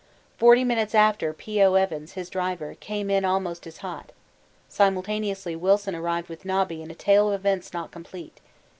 Forty minutes after P.O. Evans, his driver, came in almost as hot; simultaneously Wilson arrived with Nobby and a tale of events not complete.